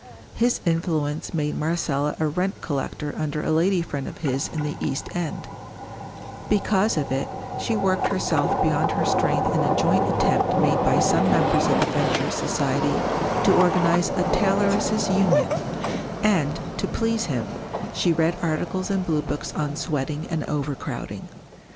His influence made Marcella a rent collector under a lady friend of his in the East End; because of it, she worked herself beyond her strength in a joint attempt made by some members of the Venturist Society to organise a Tailoresses' Union; and, to please him, she read articles and blue books on Sweating and Overcrowding.